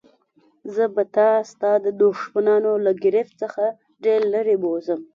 زه به تا ستا د دښمنانو له ګرفت څخه ډېر لیري بوزم.